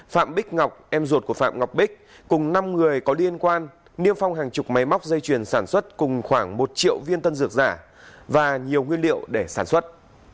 phạm bích ngọc em ruột của phạm ngọc bích cùng năm người có liên quan niêm phong hàng chục máy móc dây chuyền sản xuất cùng khoảng một triệu viên tân dược giả và nhiều nguyên liệu để sản xuất